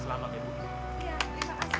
selamat kita dapat satu miliar